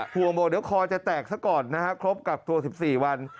ห่วงบอกเดี๋ยวคอจะแตกซะก่อนนะฮะครบกักตัว๑๔วัน